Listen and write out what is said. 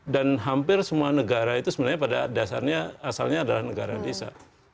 dan hampir semua negara itu sebenarnya pada dasarnya asalnya adalah negara desa